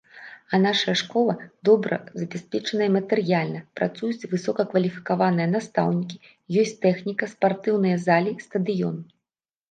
А нашая школа добра забяспечаная матэрыяльна, працуюць высокакваліфікаваныя настаўнікі, ёсць тэхніка, спартыўныя залі, стадыён.